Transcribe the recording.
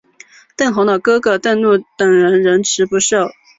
邓弘的哥哥邓骘等人仍辞不受。